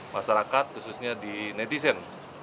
masyarakat khususnya di netizen